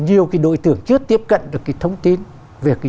nhiều cái đối tượng chưa tiếp cận được cái thông tin về cái